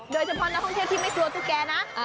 โดยเฉพาะนักท่องเที่ยวที่ไม่กลัวตุ๊กแกนะ